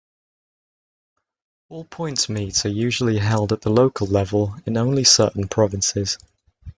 All-points meets are usually held at the local level in only certain provinces.